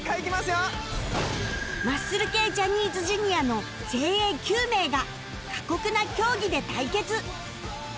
マッスル系ジャニーズ Ｊｒ． の精鋭９名が過酷な競技で対決